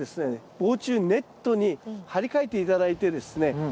防虫ネットに張り替えて頂いてですね